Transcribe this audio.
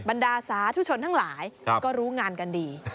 บรรดาสาธุชนทั้งหลายก็รู้งานกันดี